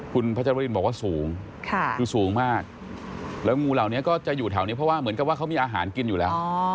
คุณพัชรินบอกว่าสูงคือสูงมากแล้วงูเหล่านี้ก็จะอยู่แถวนี้เพราะว่าเหมือนกับว่าเขามีอาหารกินอยู่แล้ว